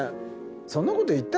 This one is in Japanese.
そんなこと言った？